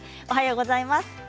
おはようございます。